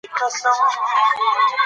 انټرنیټ د محصلینو وخت نه ضایع کوي.